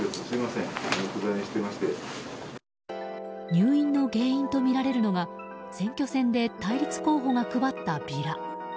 入院の原因とみられるのが選挙戦で対立候補が配ったビラ。